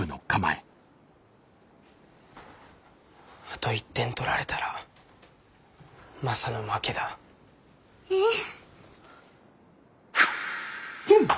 あと１点取られたらマサの負けだ。え？